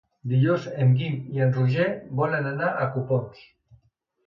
Dilluns en Guim i en Roger volen anar a Copons.